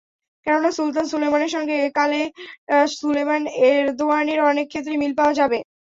কেননা, সুলতান সুলেমানের সঙ্গে একালের সুলেমান এরদোয়ানের অনেক ক্ষেত্রেই মিল পাওয়া যাবে।